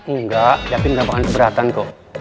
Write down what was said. enggak davin gak bakalan keberatan kok